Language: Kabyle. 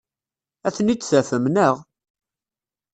Ad ten-id-tafem, naɣ?